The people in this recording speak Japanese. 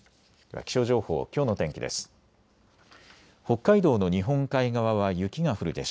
気象情報、きょうの天気です。